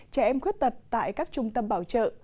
trẻ em khuyết tật tại các trung tâm bảo trợ